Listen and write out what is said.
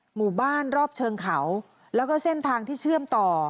หมู่บ้านรอบเชิงเขาแล้วก็เส้นทางที่เชื่อมต่อ